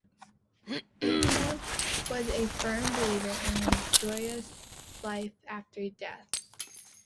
Eaton was a firm believer in a joyous life after death.